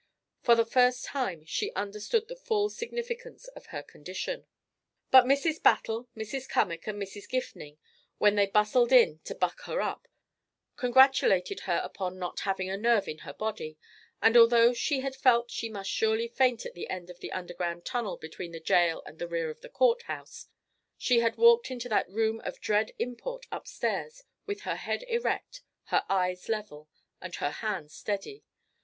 For the first time she understood the full significance of her condition. But Mrs. Battle, Mrs. Cummack and Mrs. Gifning, when they bustled in to "buck her up," congratulated her upon "not having a nerve in her body"; and although she had felt she must surely faint at the end of the underground tunnel between the jail and the rear of the courthouse, she had walked into that room of dread import upstairs with her head erect, her eyes level, and her hands steady.